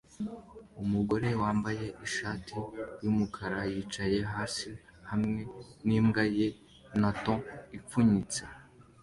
Umugore wambaye ishati yumukara yicaye hasi hamwe nimbwa ye nto ipfunyitse